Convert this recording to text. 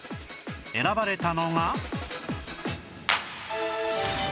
選ばれたのが